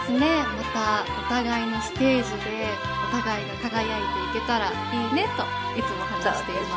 またお互いのステージでお互いが輝いていけたらいいねといつも話しています。